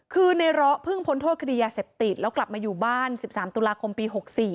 คือในร้อเพิ่งพ้นโทษคดียาเสพติดแล้วกลับมาอยู่บ้าน๑๓ตุลาคมปี๖๔